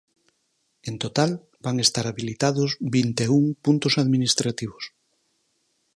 En total, van estar habilitados vinte e un puntos administrativos.